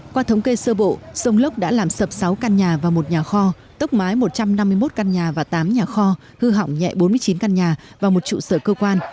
qua thống kê sơ bộ dông lốc đã làm sập sáu căn nhà và một nhà kho tốc mái một trăm năm mươi một căn nhà và tám nhà kho hư hỏng nhẹ bốn mươi chín căn nhà và một trụ sở cơ quan